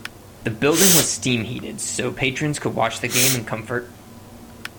The building was steam heated so patrons could watch the game in comfort.